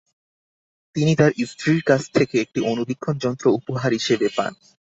তিনি তাঁর স্ত্রীর কাছ থেকে একটি অণুবীক্ষণ যন্ত্র উপহার হিসেবে পান।